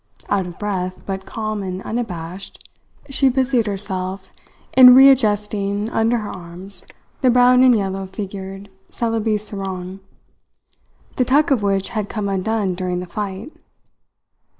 Out of breath, but calm and unabashed, she busied herself in readjusting under her arms the brown and yellow figured Celebes sarong, the tuck of which had come undone during the fight.